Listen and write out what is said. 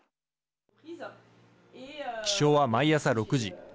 起床は毎朝６時。